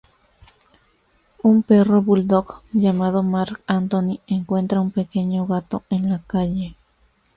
Un perro bulldog llamado Marc Anthony encuentra un pequeño gato en la calle.